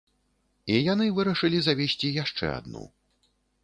І яны вырашылі завесці яшчэ адну.